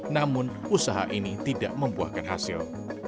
namun usaha ini tidak membuahkan hasil